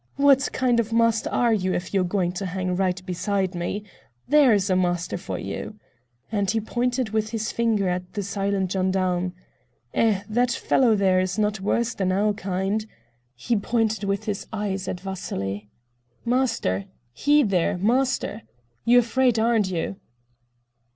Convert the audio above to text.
"What kind of master are you, if you are going to hang right beside me? There is a master for you"; and he pointed with his finger at the silent gendarme. "Eh, that fellow there is not worse than our kind"; he pointed with his eyes at Vasily. "Master! Eh there, master! You're afraid, aren't you?"